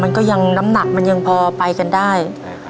มันก็ยังน้ำหนากเขาได้พอไปกันได้ใช่ค่ะ